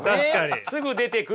すぐ出てくるのに。